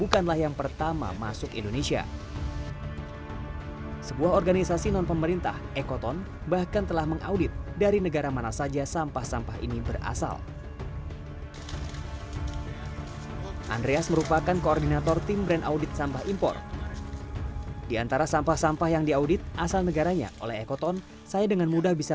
kertas bekas ini tidak hanya memiliki kertas bekas tetapi juga memiliki kertas yang berbeda